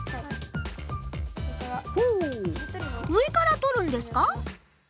ほう上からとるんですか。